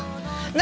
何？